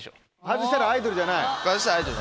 外したらアイドルじゃない。